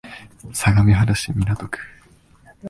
相模原市南区